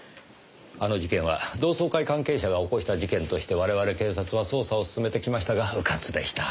あの事件は同窓会関係者が起こした事件として我々警察は捜査を進めてきましたがうかつでした。